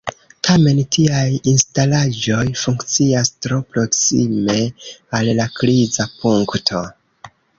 Tamen tiaj instalaĵoj funkcias tro proksime al la kriza punkto.